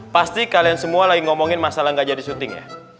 pasti kalian semua lagi ngomongin masalah gak jadi syuting ya